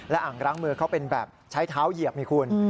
อ่างล้างมือเขาเป็นแบบใช้เท้าเหยียบไงคุณ